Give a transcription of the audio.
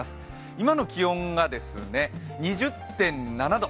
今の気温が２０．７度。